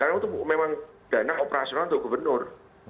karena itu memang dana operasional untuk gubernur